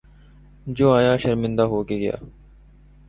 جو آیا شرمندہ ہو کے گیا۔